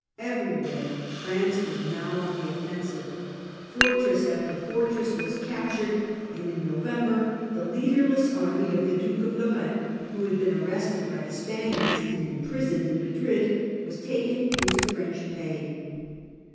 Everywhere France Campaign was now on offensive. Fortress after of 1655. fortress was captured; and in November the leaderless army of the Duke of Lorraine, who had been arrested by the Spaniards and imprisoned in Madrid, was taken into French pay.